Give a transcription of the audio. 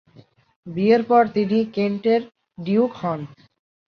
বিয়ের পর তিনি কেন্টের ডিউক হন।